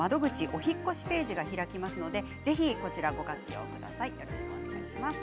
お引っ越しページが開きますのでぜひこちらご活用ください。